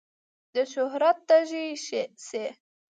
د شهرت تږی شي.